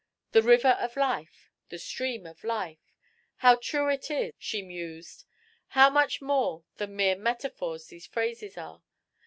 'The river of life! The stream of life! How true it is!' she mused. 'How much more than mere metaphors these phrases are!